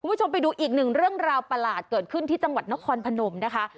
คุณผู้ชมไปดูอีกหนึ่งเรื่องราวประหลาดเกิดขึ้นที่จังหวัดนครพนมนะคะ